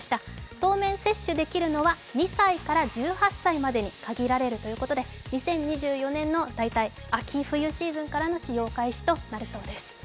当面、接種できるのは２歳から１８歳までに限られるということで２０２４年の大体、秋、冬シーズンからの使用開始となりそうです。